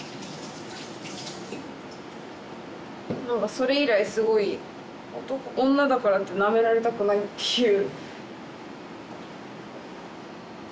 それ以来すごい女だからってなめられたくないっていう。